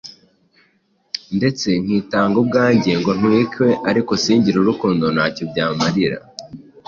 ndetse nkitanga ubwanjye ngo ntwikwe ariko singire urukundo, nta cyo byamarira